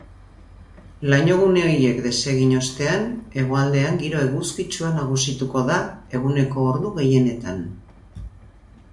Lainogune horiek desegin ostean, hegoaldean giro eguzkitsua nagusituko da eguneko ordu gehienetan.